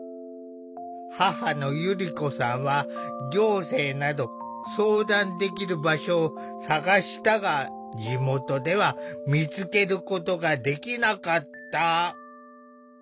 母のゆりこさんは行政など相談できる場所を探したが地元では見つけることができなかった。